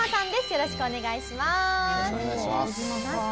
よろしくお願いします。